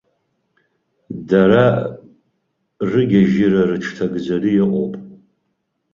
Дара рыгьежьыра рыҽҭагӡаны иҟоуп.